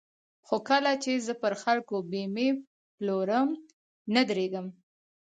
خو کله چې زه پر خلکو بېمې پلورم نه درېږم.